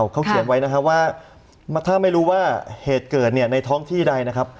เขาเขียนไว้นะครับว่าถ้าไม่รู้ว่าเหตุเกิดเนี่ยในท้องที่ใดนะครับ